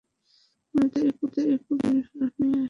কিন্তু আমি তো এই পুলিশ ইউনিফর্ম নিয়ে এসেছি।